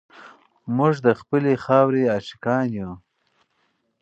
موږ د خپلې خاورې عاشقان یو.